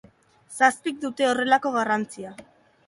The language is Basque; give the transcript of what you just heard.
Zazpik dute horrelako garrantzia.